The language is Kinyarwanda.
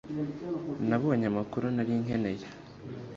nabonye amakuru nari nkeneye